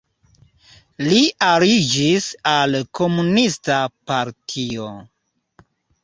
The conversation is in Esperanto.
Li aliĝis al komunista partio.